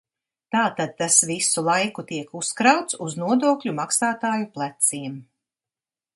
Tātad tas visu laiku tiek uzkrauts uz nodokļu maksātāju pleciem.